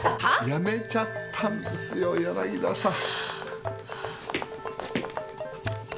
辞めちゃったんですよ柳田さん！